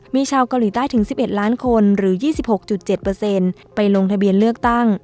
มีชาวเกาหลีใต้ถึง๑๑ล้านคนหรือ๒๖๗ไปลงทะเบียนเลือกตั้ง